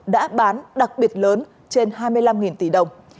đã bán đặc biệt lớn trên hai mươi năm tỷ đồng